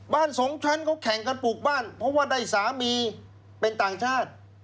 สองชั้นเขาแข่งกันปลูกบ้านเพราะว่าได้สามีเป็นต่างชาติ